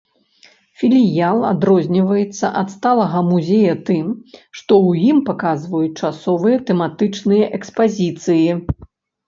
Філіял адрозніваецца ад сталага музея тым, што ў ім паказваюць часовыя тэматычныя экспазіцыі!!!!